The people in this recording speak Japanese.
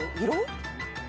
色？